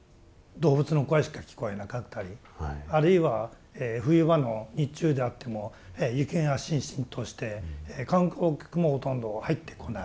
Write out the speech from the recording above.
動物の声しか聞こえなかったりあるいは冬場の日中であっても雪がしんしんとして観光客もほとんど入ってこない。